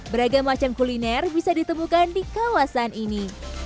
beragam macam kuliner bisa ditemukan di kawasan ini